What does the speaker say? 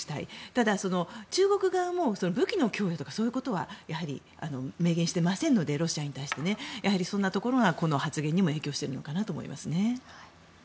ただ、中国側も武器の供与とかそういうことはやはり明言してませんのでロシアに対してね。やはりそんなところがこの発言にも影響してるのかなと思いますね。